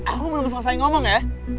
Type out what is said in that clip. aku belum selesai ngomong ya